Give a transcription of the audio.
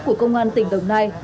của công an tỉnh đồng nai